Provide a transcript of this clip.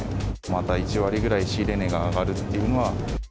また１割ぐらい仕入れ値が上がるというのは。